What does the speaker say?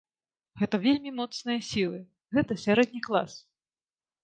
Гэта вельмі моцныя сілы, гэта сярэдні клас.